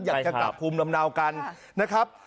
อยากจะกลับภูมิลำเนากันนะครับ